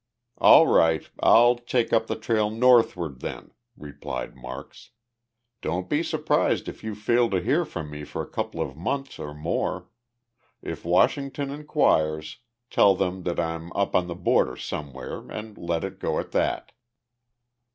"All right, I'll take up the trail northward then," replied Marks. "Don't be surprised if you fail to hear from me for a couple of months or more. If Washington inquires, tell them that I'm up on the border somewhere and let it go at that."